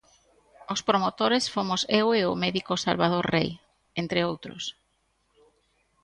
Os promotores fomos eu e o médico Salvador Rei, entre outros.